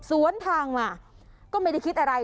สวนทางมาก็ไม่ได้คิดอะไร